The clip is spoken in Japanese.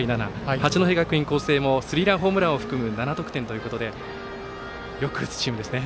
八戸学院光星もスリーランホームランを含む７得点ということでよく打つチームですね。